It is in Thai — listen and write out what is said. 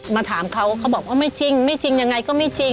มาถามเขาเขาบอกว่าไม่จริงไม่จริงยังไงก็ไม่จริง